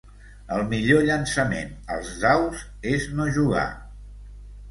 El millor llançament als daus és no jugar.